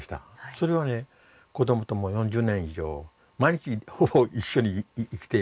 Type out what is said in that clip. それはね子どもともう４０年以上毎日ほぼ一緒に生きています。